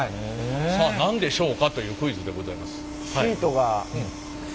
さあ何でしょうかというクイズでございます。